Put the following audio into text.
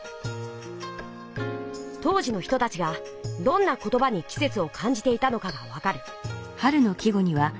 当時の人たちがどんな言ばに季せつをかんじていたのかがわかる。